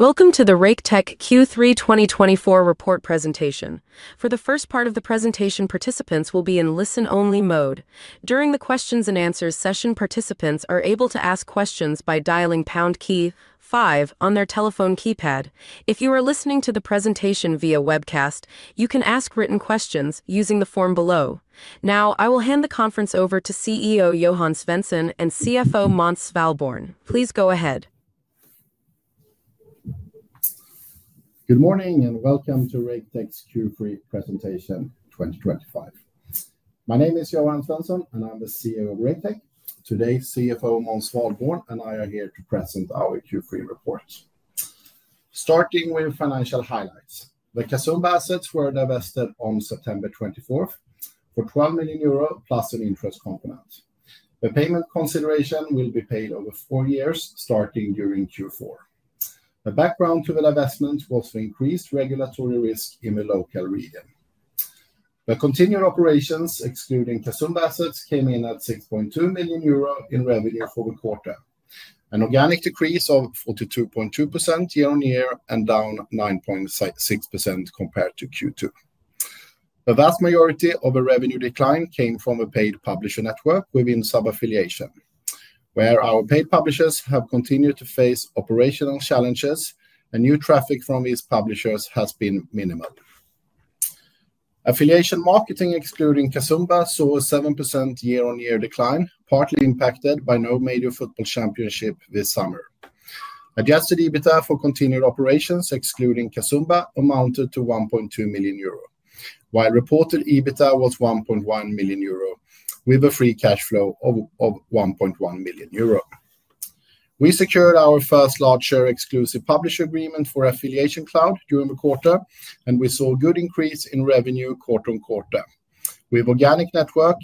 Welcome to the Raketech Q3 2024 report presentation. For the first part of the presentation, participants will be in listen-only mode. During the Q&A session, participants are able to ask questions by dialing #5 on their telephone keypad. If you are listening to the presentation via webcast, you can ask written questions using the form below. Now, I will hand the conference over to CEO Johan Svensson and CFO Måns Svalborn. Please go ahead. Good morning and welcome to Raketech's Q3 presentation 2025. My name is Johan Svensson, and I'm the CEO of Raketech. Today, CFO Måns Svalborn and I are here to present our Q3 report. Starting with financial highlights: the Kasumba assets were divested on September 24 for 12 million euro plus an interest component. The payment consideration will be paid over four years, starting during Q4. The background to the divestment was the increased regulatory risk in the local region. The continued operations, excluding Kasumba assets, came in at 6.2 million euro in revenue for the quarter, an organic decrease of 42.2% year-on-year and down 9.6% compared to Q2. The vast majority of the revenue decline came from the paid publisher network within sub-affiliation, where our paid publishers have continued to face operational challenges. New traffic from these publishers has been minimal. Affiliation Marketing, excluding Kasumba, saw a 7% year-on-year decline, partly impacted by no major football championship this summer. Adjusted EBITDA for continued operations, excluding Kasumba, amounted to 1.2 million euro, while reported EBITDA was 1.1 million euro with a free cash flow of 1.1 million euro. We secured our first large-share exclusive publisher agreement for Affiliation Cloud during the quarter, and we saw a good increase in revenue quarter on quarter, with the organic network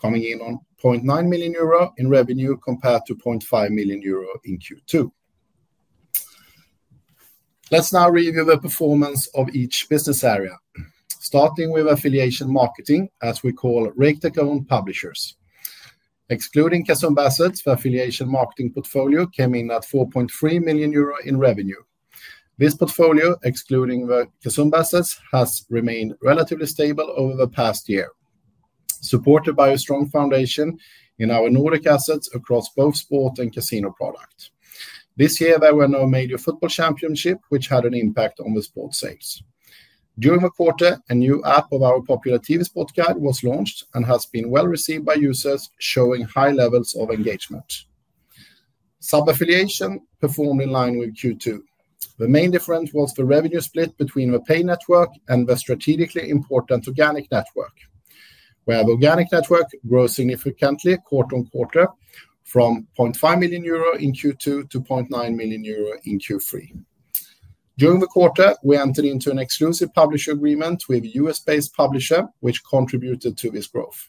coming in on 0.9 million euro in revenue compared to 0.5 million euro in Q2. Let's now review the performance of each business area, starting with Affiliation Marketing, as we call Raketech's own publishers. Excluding Kasumba assets, the Affiliation Marketing portfolio came in at 4.3 million euro in revenue. This portfolio, excluding the Kasumba assets, has remained relatively stable over the past year, supported by a strong foundation in our Nordic assets across both sport and casino products. This year, there were no major football championships, which had an impact on the sport sales. During the quarter, a new app of our popular TV Sport Guide was launched and has been well received by users, showing high levels of engagement. Sub-affiliation performed in line with Q2. The main difference was the revenue split between the paid network and the strategically important organic network, where the organic network grew significantly quarter on quarter from 0.5 million euro in Q2 to 0.9 million euro in Q3. During the quarter, we entered into an exclusive publisher agreement with a U.S.-based publisher, which contributed to this growth.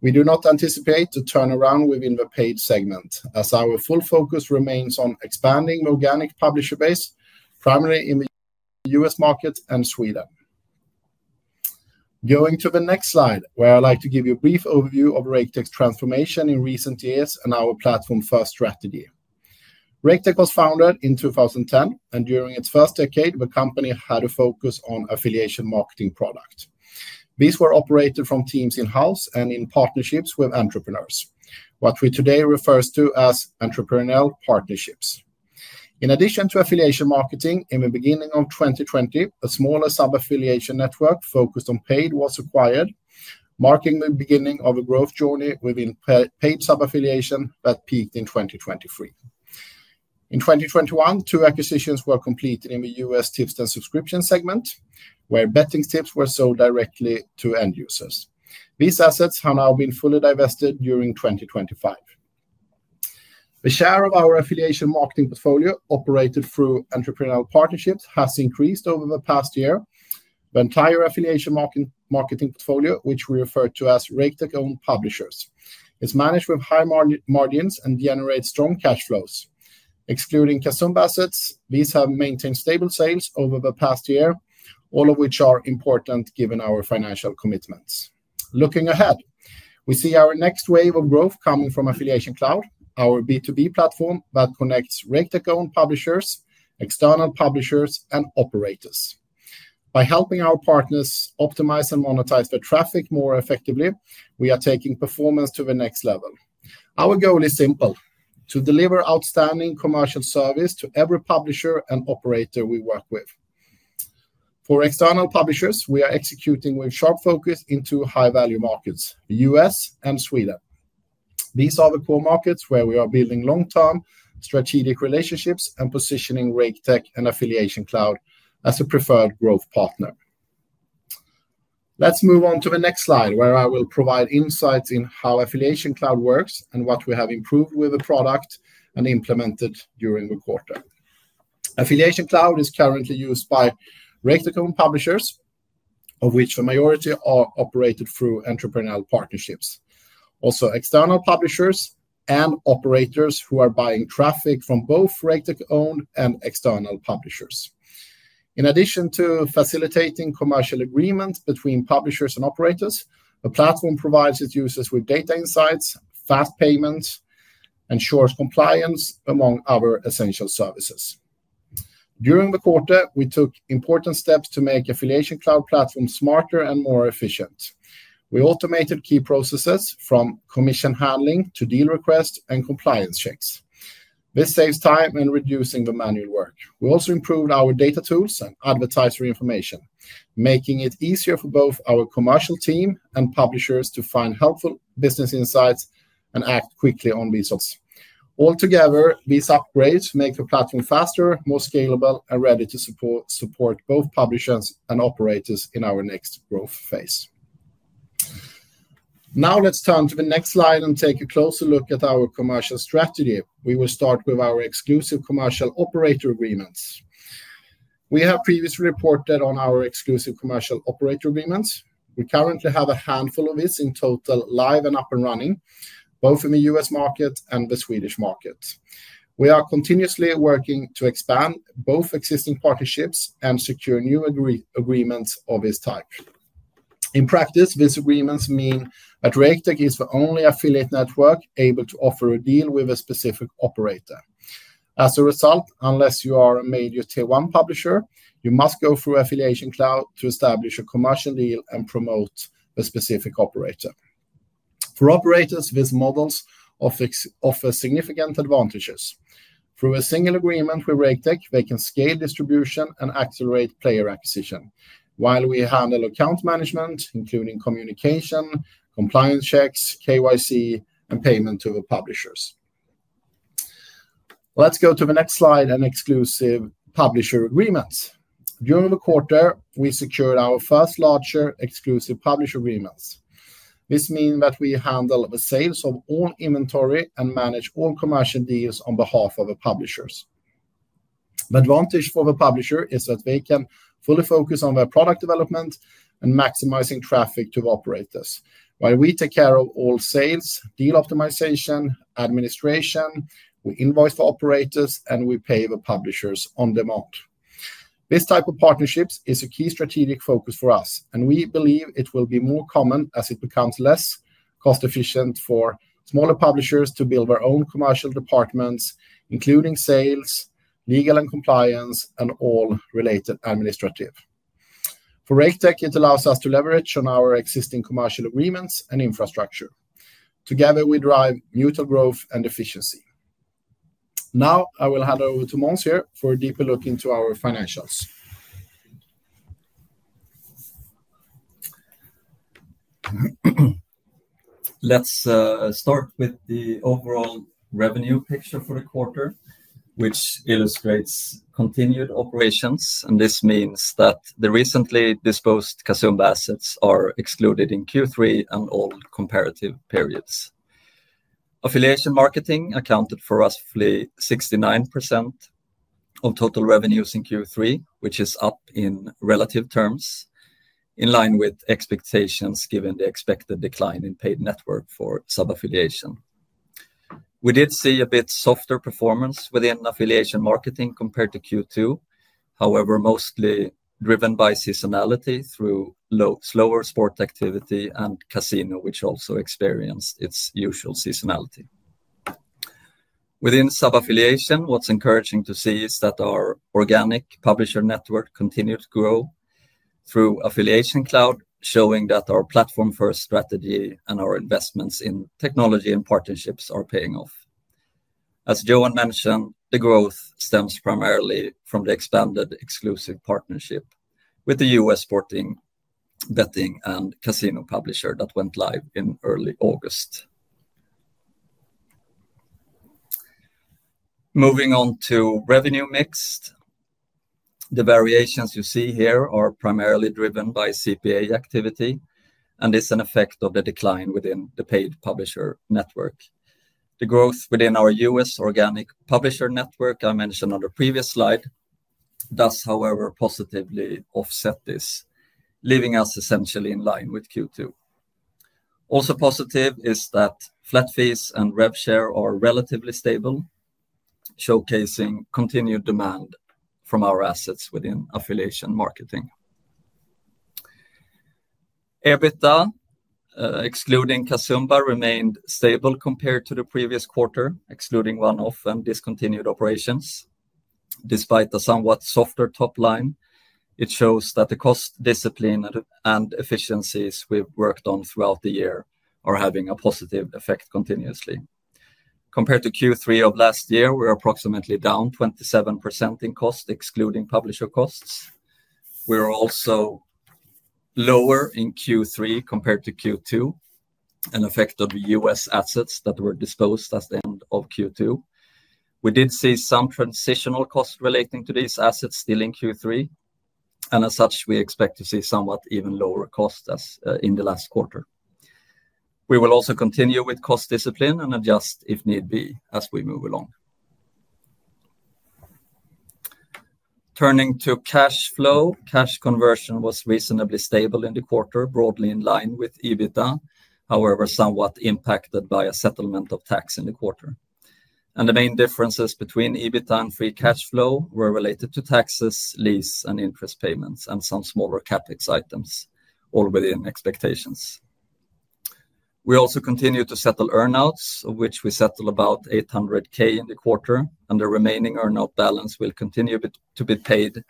We do not anticipate a turnaround within the paid segment, as our full focus remains on expanding the organic publisher base, primarily in the U.S. market and Sweden. Going to the next slide, where I'd like to give you a brief overview of Raketech's transformation in recent years and our platform-first strategy. Raketech was founded in 2010, and during its first decade, the company had a focus on affiliation marketing products. These were operated from teams in-house and in partnerships with entrepreneurs, what we today refer to as entrepreneurial partnerships. In addition to affiliation marketing, in the beginning of 2020, a smaller sub-affiliation network focused on paid was acquired, marking the beginning of a growth journey within paid sub-affiliation that peaked in 2023. In 2021, two acquisitions were completed in the U.S. tips and subscriptions segment, where betting tips were sold directly to end users. These assets have now been fully divested during 2025. The share of our affiliation marketing portfolio, operated through entrepreneurial partnerships, has increased over the past year. The entire affiliation marketing portfolio, which we refer to as Raketech's own publishers, is managed with high margins and generates strong cash flows. Excluding Kasumba assets, these have maintained stable sales over the past year, all of which are important given our financial commitments. Looking ahead, we see our next wave of growth coming from Affiliation Cloud, our B2B platform that connects Raketech's own publishers, external publishers, and operators. By helping our partners optimize and monetize their traffic more effectively, we are taking performance to the next level. Our goal is simple: to deliver outstanding commercial service to every publisher and operator we work with. For external publishers, we are executing with a sharp focus into high-value markets, the U.S. and Sweden. These are the core markets where we are building long-term strategic relationships and positioning Raketech and Affiliation Cloud as a preferred growth partner. Let's move on to the next slide, where I will provide insights in how Affiliation Cloud works and what we have improved with the product and implemented during the quarter. Affiliation Cloud is currently used by Raketech's own publishers, of which the majority are operated through entrepreneurial partnerships, also external publishers and operators who are buying traffic from both Raketech's own and external publishers. In addition to facilitating commercial agreements between publishers and operators, the platform provides its users with data insights, fast payments, and ensures compliance, among other essential services. During the quarter, we took important steps to make the Affiliation Cloud platform smarter and more efficient. We automated key processes, from commission handling to deal requests and compliance checks. This saves time in reducing the manual work. We also improved our data tools and advertiser information, making it easier for both our commercial team and publishers to find helpful business insights and act quickly on results. Altogether, these upgrades make the platform faster, more scalable, and ready to support both publishers and operators in our next growth phase. Now, let's turn to the next slide and take a closer look at our commercial strategy. We will start with our exclusive commercial operator agreements. We have previously reported on our exclusive commercial operator agreements. We currently have a handful of these in total live and up and running, both in the U.S. market and the Swedish market. We are continuously working to expand both existing partnerships and secure new agreements of this type. In practice, these agreements mean that Raketech is the only affiliate network able to offer a deal with a specific operator. As a result, unless you are a major Tier 1 publisher, you must go through Affiliation Cloud to establish a commercial deal and promote a specific operator. For operators, these models offer significant advantages. Through a single agreement with Raketech, they can scale distribution and accelerate player acquisition, while we handle account management, including communication, compliance checks, KYC, and payment to the publishers. Let's go to the next slide and exclusive publisher agreements. During the quarter, we secured our first larger exclusive publisher agreements. This means that we handle the sales of all inventory and manage all commercial deals on behalf of the publishers. The advantage for the publisher is that they can fully focus on their product development and maximize traffic to the operators, while we take care of all sales, deal optimization, administration, we invoice the operators, and we pay the publishers on demand. This type of partnership is a key strategic focus for us, and we believe it will be more common as it becomes less cost-efficient for smaller publishers to build their own commercial departments, including sales, legal and compliance, and all related administrative. For Raketech, it allows us to leverage on our existing commercial agreements and infrastructure. Together, we drive mutual growth and efficiency. Now, I will hand over to Måns here for a deeper look into our financials. Let's start with the overall revenue picture for the quarter, which illustrates continued operations, and this means that the recently disposed Kasumba assets are excluded in Q3 and all comparative periods. Affiliation marketing accounted for roughly 69% of total revenues in Q3, which is up in relative terms, in line with expectations given the expected decline in paid network for sub-affiliation. We did see a bit softer performance within affiliation marketing compared to Q2, however mostly driven by seasonality through slower sport activity and casino, which also experienced its usual seasonality. Within sub-affiliation, what's encouraging to see is that our organic publisher network continued to grow through Affiliation Cloud, showing that our platform-first strategy and our investments in technology and partnerships are paying off. As Johan mentioned, the growth stems primarily from the expanded exclusive partnership with the U.S. sporting betting and casino publisher that went live in early August. Moving on to revenue mix. The variations you see here are primarily driven by CPA activity, and this is an effect of the decline within the paid publisher network. The growth within our U.S. organic publisher network I mentioned on the previous slide does, however, positively offset this, leaving us essentially in line with Q2. Also positive is that flat fees and rev share are relatively stable, showcasing continued demand from our assets within affiliation marketing. EBITDA, excluding Kasumba, remained stable compared to the previous quarter, excluding one-off and discontinued operations. Despite the somewhat softer top line, it shows that the cost discipline and efficiencies we've worked on throughout the year are having a positive effect continuously. Compared to Q3 of last year, we are approximately down 27% in cost, excluding publisher costs. We are also lower in Q3 compared to Q2, an effect of the U.S. Assets that were disposed at the end of Q2. We did see some transitional costs relating to these assets still in Q3. As such, we expect to see somewhat even lower costs in the last quarter. We will also continue with cost discipline and adjust if need be as we move along. Turning to cash flow, cash conversion was reasonably stable in the quarter, broadly in line with EBITDA, however somewhat impacted by a settlement of tax in the quarter. The main differences between EBITDA and free cash flow were related to taxes, lease, and interest payments, and some smaller CapEx items, all within expectations. We also continue to settle earnouts, of which we settled about 800,000 in the quarter, and the remaining earnout balance will continue to be paid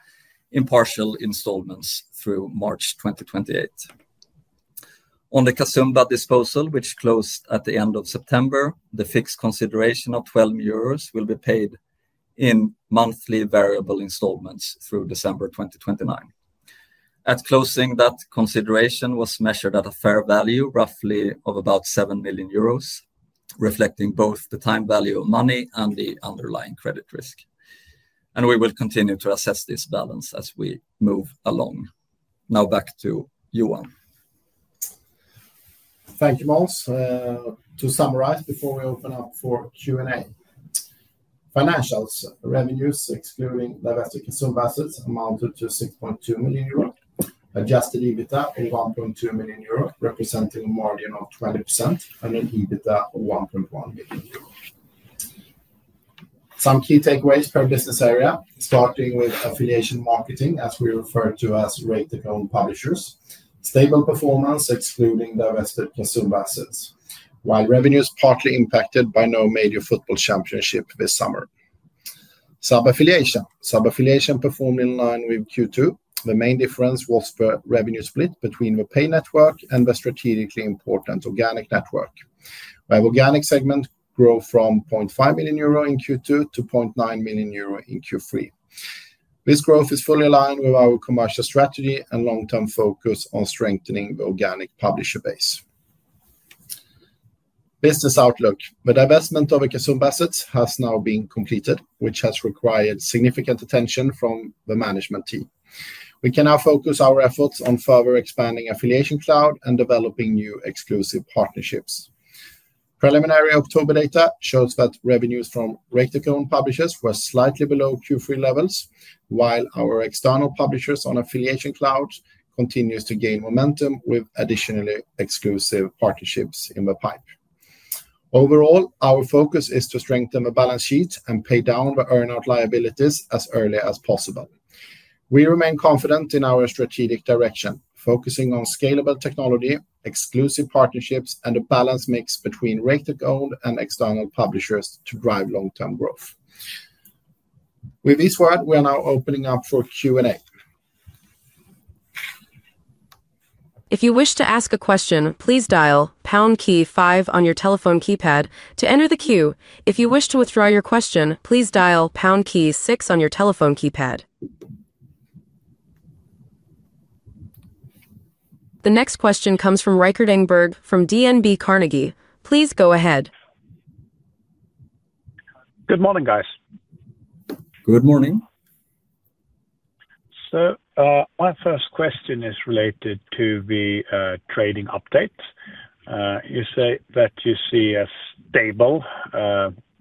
in partial installments through March 2028. On the Kasumba disposal, which closed at the end of September, the fixed consideration of 12 million euros will be paid in monthly variable installments through December 2029. At closing, that consideration was measured at a fair value, roughly of about 7 million euros, reflecting both the time value of money and the underlying credit risk. We will continue to assess this balance as we move along. Now back to Johan. Thank you, Måns. To summarize before we open up for Q&A. Financials, revenues, excluding divested Kasumba assets, amounted to 6.2 million euro, adjusted EBITDA of 1.2 million euro, representing a margin of 20%, and an EBITDA of 1.1 million euro. Some key takeaways per business area, starting with affiliation marketing, as we refer to as Raketech's own publishers, stable performance, excluding divested Kasumba assets, while revenues partly impacted by no major football championship this summer. Sub-affiliation, sub-affiliation performed in line with Q2. The main difference was the revenue split between the paid network and the strategically important organic network, where the organic segment grew from 0.5 million euro in Q2 to 0.9 million euro in Q3. This growth is fully aligned with our commercial strategy and long-term focus on strengthening the organic publisher base. Business outlook, the divestment of Kasumba assets has now been completed, which has required significant attention from the management team. We can now focus our efforts on further expanding Affiliation Cloud and developing new exclusive partnerships. Preliminary October data shows that revenues from Raketech's own publishers were slightly below Q3 levels, while our external publishers on Affiliation Cloud continue to gain momentum with additional exclusive partnerships in the pipe. Overall, our focus is to strengthen the balance sheet and pay down the earnout liabilities as early as possible. We remain confident in our strategic direction, focusing on scalable technology, exclusive partnerships, and a balanced mix between Raketech's own and external publishers to drive long-term growth. With this word, we are now opening up for Q&A. If you wish to ask a question, please dial pound key five on your telephone keypad to enter the queue. If you wish to withdraw your question, please dial pound key six on your telephone keypad. The next question comes from Rykert Engberg from DNB Carnegie. Please go ahead. Good morning, guys. Good morning. My first question is related to the trading update. You say that you see a stable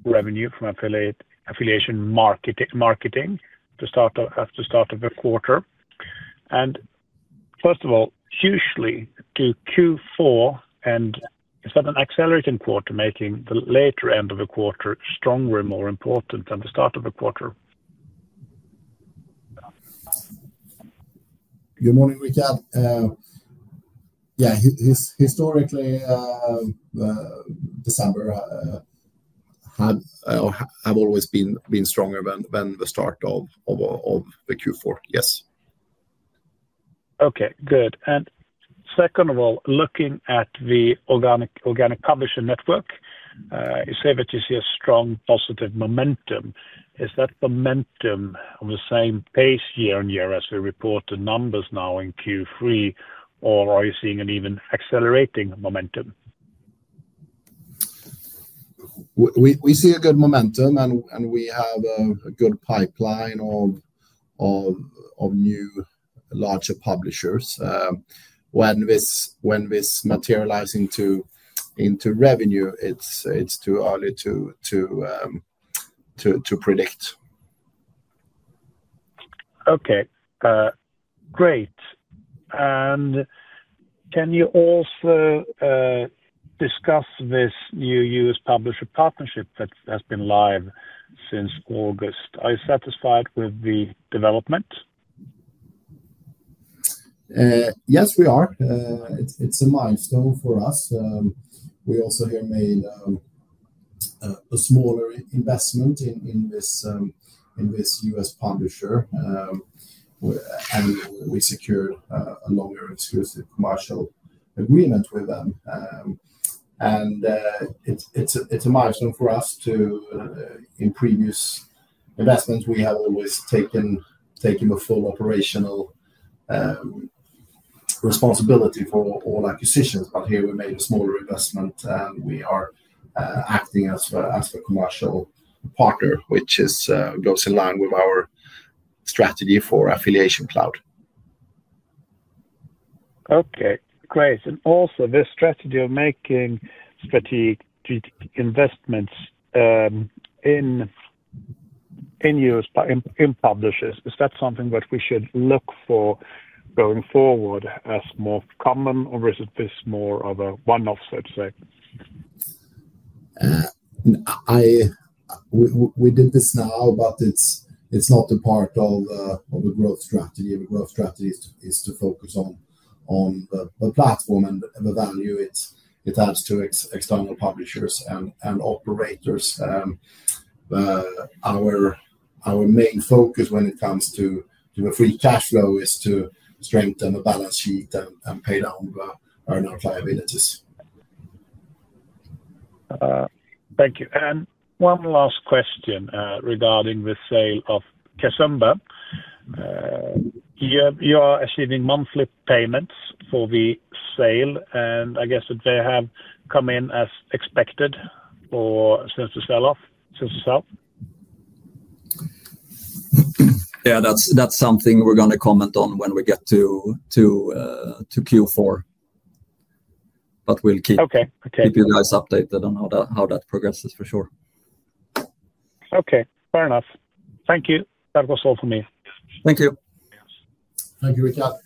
revenue from affiliation marketing to start of the quarter. First of all, hugely to Q4, and is that an accelerating quarter, making the later end of the quarter stronger and more important than the start of the quarter? Good morning, Rykert. Yeah, historically, December has always been stronger than the start of the Q4. Yes. Okay, good. Second of all, looking at the organic publisher network, you say that you see a strong positive momentum. Is that momentum on the same pace year on year as we report the numbers now in Q3, or are you seeing an even accelerating momentum? We see a good momentum, and we have a good pipeline of new, larger publishers. When this materializes into revenue, it's too early to predict. Okay. Great. Can you also discuss this new U.S. publisher partnership that has been live since August? Are you satisfied with the development? Yes, we are. It's a milestone for us. We also have made a smaller investment in this U.S. publisher, and we secured a longer exclusive commercial agreement with them. It's a milestone for us too. In previous investments, we have always taken the full operational responsibility for all acquisitions, but here we made a smaller investment, and we are acting as a commercial partner, which goes in line with our strategy for Affiliation Cloud. Okay, great. Also, this strategy of making strategic investments in publishers, is that something that we should look for going forward as more common, or is it more of a one-off, so to say? We did this now, but it's not a part of the growth strategy. The growth strategy is to focus on the platform and the value it adds to external publishers and operators. Our main focus when it comes to the free cash flow is to strengthen the balance sheet and pay down the earnout liabilities. Thank you. One last question regarding the sale of Kasumba. You are receiving monthly payments for the sale, and I guess it may have come in as expected since the sell-off? Yeah, that's something we're going to comment on when we get to Q4. We'll keep. Okay. Keep you guys updated on how that progresses, for sure. Okay, fair enough. Thank you. That was all for me. Thank you. Thank you, Rykert.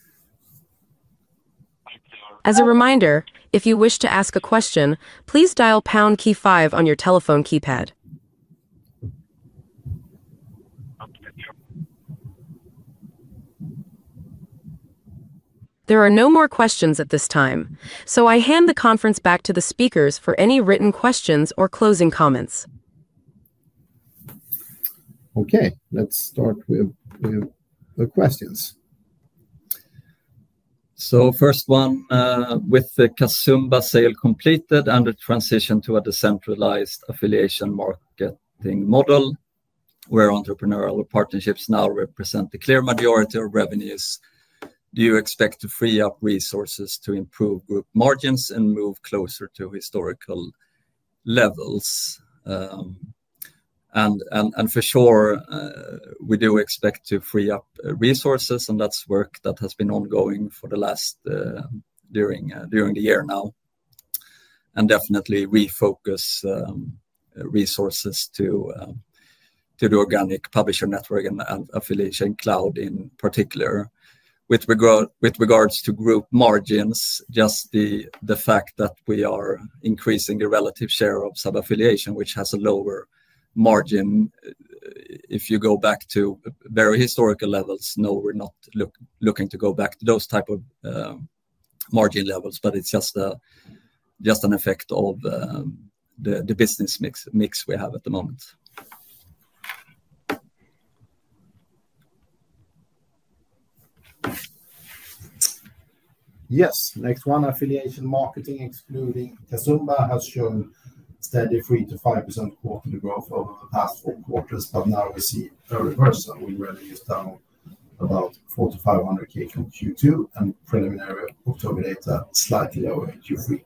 As a reminder, if you wish to ask a question, please dial pound key five on your telephone keypad. There are no more questions at this time, so I hand the conference back to the speakers for any written questions or closing comments. Okay, let's start with the questions. With the Kasumba sale completed and the transition to a decentralized affiliation marketing model, where entrepreneurial partnerships now represent the clear majority of revenues, do you expect to free up resources to improve group margins and move closer to historical levels? For sure, we do expect to free up resources, and that's work that has been ongoing during the year now. Definitely, we focus resources to the organic publisher network and Affiliation Cloud in particular. With regards to group margins, just the fact that we are increasing the relative share of sub-affiliation, which has a lower margin, if you go back to very historical levels, no, we're not looking to go back to those types of margin levels, but it's just an effect of the business mix we have at the moment. Yes, next one, affiliation marketing, excluding Kasumba, has shown steady 3%-5% quarterly growth over the past four quarters, but now we see a reversal in revenues down about 400,000-500,000 from Q2, and preliminary October data slightly lower in Q3.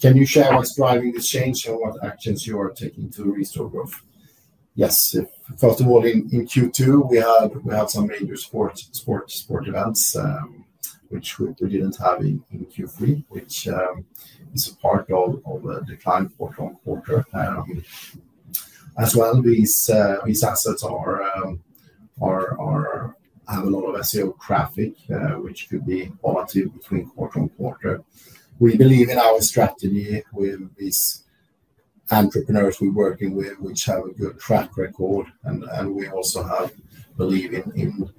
Can you share what's driving this change and what actions you are taking to restore growth? Yes, first of all, in Q2, we have some major sports events, which we didn't have in Q3, which is a part of the decline quarter on quarter. As well, these assets have a lot of SEO traffic, which could be volatile between quarter on quarter. We believe in our strategy with these entrepreneurs we're working with, which have a good track record, and we also believe in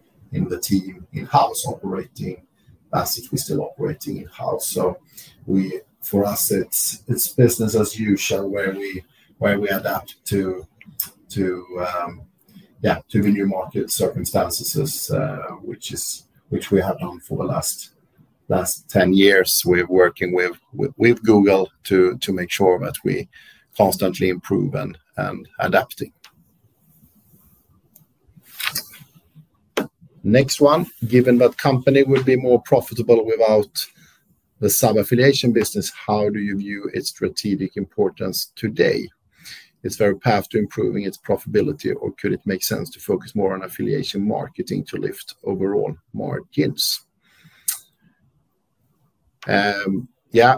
the team in-house operating, as if we're still operating in-house. For us, it's business as usual, where we adapt to. The new market circumstances, which we have done for the last 10 years. We're working with Google to make sure that we constantly improve and adapt. Next one, given that the company would be more profitable without the sub-affiliation business, how do you view its strategic importance today? Is there a path to improving its profitability, or could it make sense to focus more on affiliation marketing to lift overall margins? Yeah,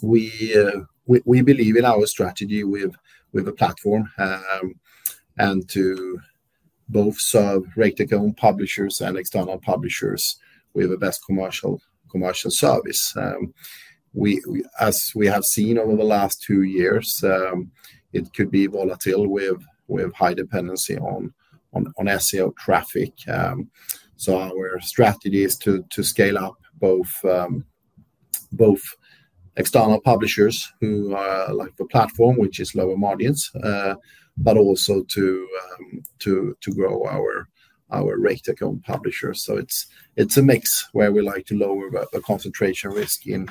we believe in our strategy with a platform. And to both serve Raketech's own publishers and external publishers with the best commercial service. As we have seen over the last two years, it could be volatile with high dependency on SEO traffic. Our strategy is to scale up both external publishers who like the platform, which is lower margins, but also to grow our Raketech's own publishers. It's a mix where we like to lower the concentration risk in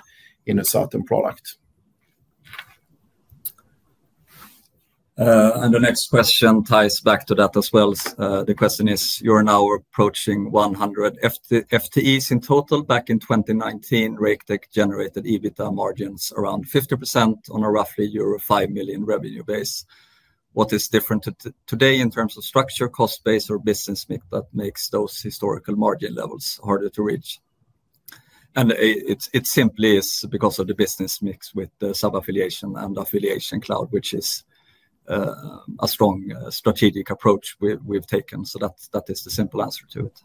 a certain product. The next question ties back to that as well. The question is, you and I are approaching 100 FTEs in total. Back in 2019, Raketech generated EBITDA margins around 50% on a roughly euro 5 million revenue base. What is different today in terms of structure, cost base, or business mix that makes those historical margin levels harder to reach? It simply is because of the business mix with the sub-affiliation and Affiliation Cloud, which is a strong strategic approach we've taken. That is the simple answer to it.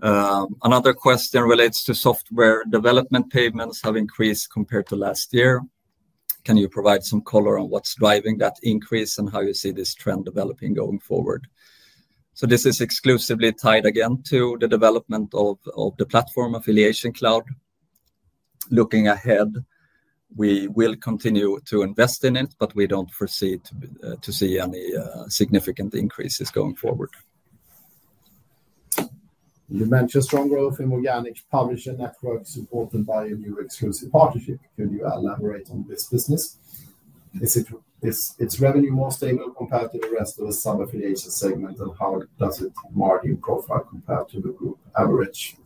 Another question relates to software development. Payments have increased compared to last year. Can you provide some color on what's driving that increase and how you see this trend developing going forward? This is exclusively tied again to the development of the platform, Affiliation Cloud. Looking ahead, we will continue to invest in it, but we don't foresee to see any significant increases going forward. You mentioned strong growth in organic publisher networks supported by a new exclusive partnership. Can you elaborate on this business? Is its revenue more stable compared to the rest of the sub-affiliation segment, and how does its margin profile compare to the group average?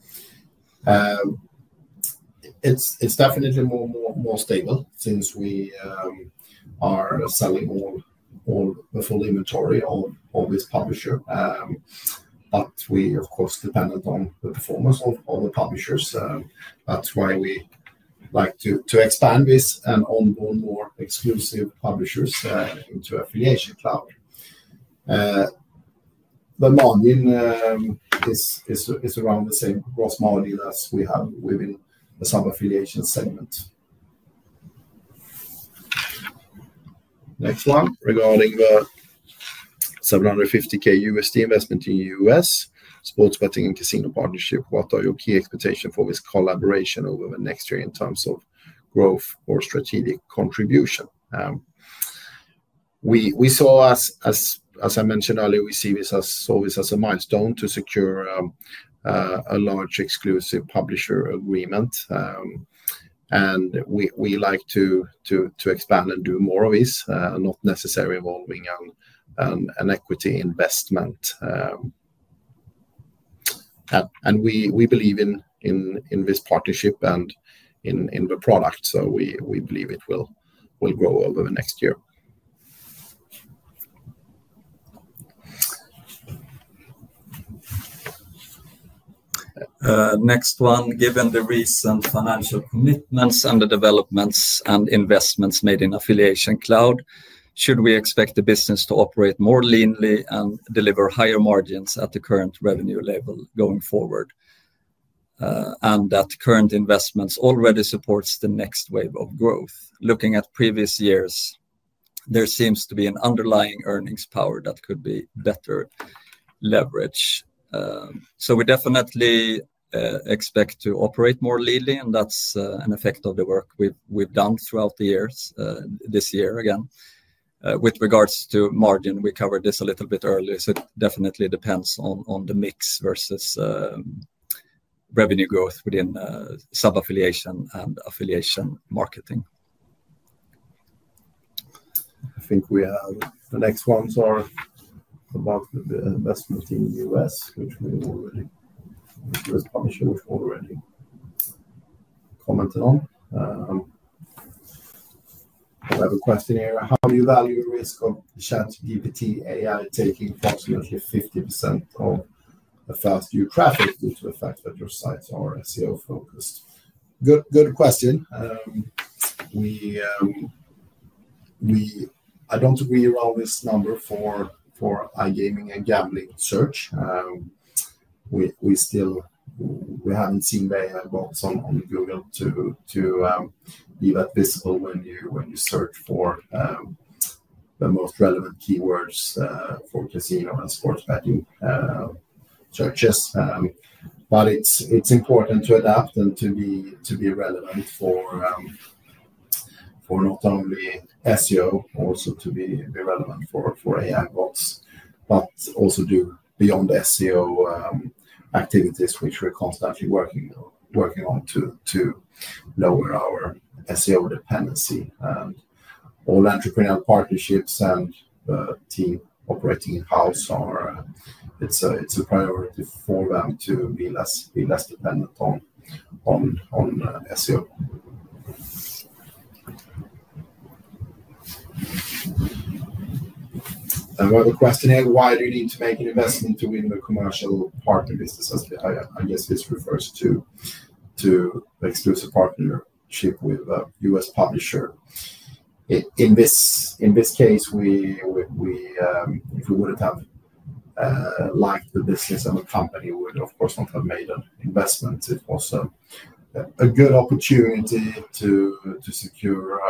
It's definitely more stable since we are selling all the full inventory of this publisher. We are, of course, dependent on the performance of all the publishers. That's why we like to expand this and onboard more exclusive publishers into Affiliation Cloud. The margin is around the same gross margin as we have within the sub-affiliation segment. Next one, regarding the $750,000 investment in the U.S. sports betting and casino partnership, what are your key expectations for this collaboration over the next year in terms of growth or strategic contribution? We saw, as I mentioned earlier, we see this as a milestone to secure. A large exclusive publisher agreement. We like to expand and do more of this, not necessarily involving an equity investment. We believe in this partnership and in the product, so we believe it will grow over the next year. Next one, given the recent financial commitments and the developments and investments made in Affiliation Cloud, should we expect the business to operate more leanly and deliver higher margins at the current revenue level going forward? That current investments already support the next wave of growth. Looking at previous years, there seems to be an underlying earnings power that could be better leveraged. We definitely expect to operate more leanly, and that's an effect of the work we've done throughout the years, this year again. With regards to margin, we covered this a little bit earlier. It definitely depends on the mix versus revenue growth within sub-affiliation and affiliation marketing. I think we have the next ones are about the investment in the U.S., which we already commented on. I have a question here. How do you value the risk of ChatGPT AI taking approximately 50% of the first-year traffic due to the fact that your sites are SEO-focused? Good question. I don't agree around this number for iGaming and gambling search. We haven't seen many adverts on Google to be that visible when you search for the most relevant keywords for casino and sports betting searches. It is important to adapt and to be relevant for not only SEO, also to be relevant for AI bots, but also do beyond SEO activities, which we're constantly working on to lower our SEO dependency. All entrepreneurial partnerships and the team operating in-house, it's a priority for them to be less dependent on SEO. Another question here, why do you need to make an investment to win the commercial partner business? I guess this refers to the exclusive partnership with a U.S. publisher. In this case, if we wouldn't have liked the business and the company would, of course, not have made an investment. It was a good opportunity to. Secure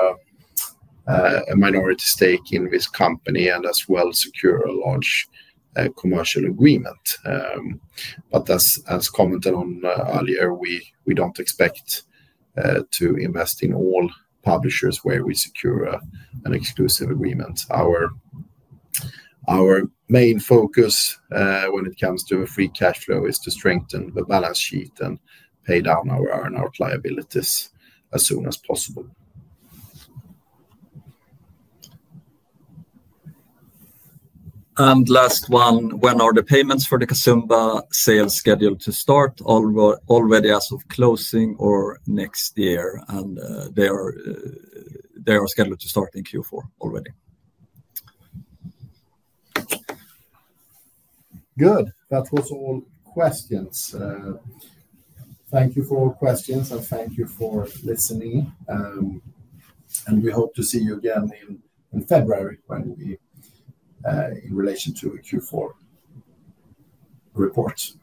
a minority stake in this company and as well secure a large commercial agreement. As commented on earlier, we don't expect to invest in all publishers where we secure an exclusive agreement. Our main focus when it comes to the free cash flow is to strengthen the balance sheet and pay down our earnout liabilities as soon as possible. Last one, when are the payments for the Kasumba sale scheduled to start? Already as of closing or next year? They are scheduled to start in Q4 already. Good. That was all questions. Thank you for all questions, and thank you for listening. We hope to see you again in February in relation to the Q4 report. Thanks.